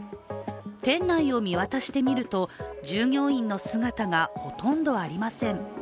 店内を見渡してみると、従業員の姿がほとんどありません。